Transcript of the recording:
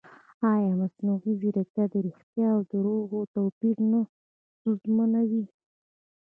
ایا مصنوعي ځیرکتیا د ریښتیا او دروغو توپیر نه ستونزمنوي؟